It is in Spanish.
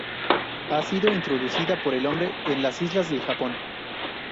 Ha sido introducida por el hombre en las islas del Japón.